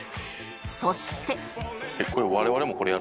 そして